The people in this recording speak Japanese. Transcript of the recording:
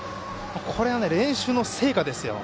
これは練習の成果ですよ。